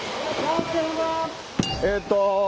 えっと。